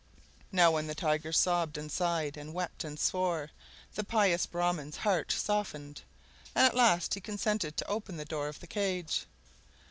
Now when the Tiger sobbed and sighed and wept and swore, the pious Brahman's heart softened, and at last he consented to open the door of the cage.